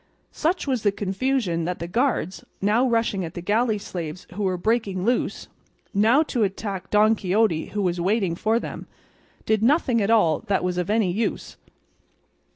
Such was the confusion, that the guards, now rushing at the galley slaves who were breaking loose, now to attack Don Quixote who was waiting for them, did nothing at all that was of any use.